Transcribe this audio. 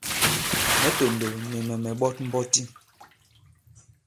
Mɛ̌ tòndòw, nì mɛ̀ mɛ̀ ɓɔt mbɔti.